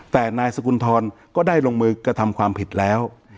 แต่นายสกุลธรก็ได้ลงมือกระทำความผิดแล้ว